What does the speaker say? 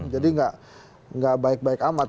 jadi gak baik baik amat